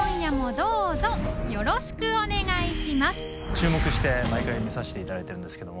注目して毎回見させていただいてるんですけど榲筿